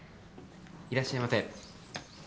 いらっしゃいませ。